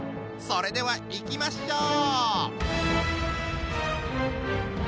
それではいきましょう！